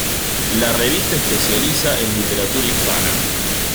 La revista especializa en literatura hispana.